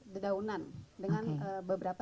bedaunan dengan beberapa